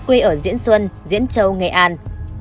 quê ở diễn xuân diễn châu nghệ an